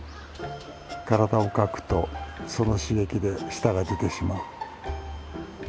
体をかくとその刺激で舌が出てしまう。